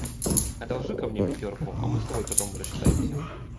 Одолжи-ка мне пятерку, а мы с тобой потом рассчитаемся.